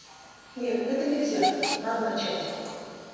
Нет, это нельзя, надо начать.